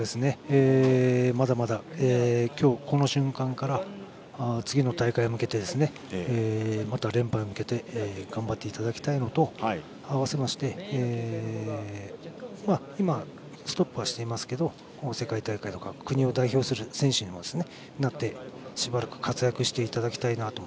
まだまだ今日この瞬間から次の大会に向けてまた連覇へ向けて頑張っていただきたいのと併せまして今、ストップはしていますが世界大会とか国を代表する選手になってしばらく活躍していただきたいと。